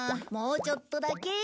もうちょっとだけ。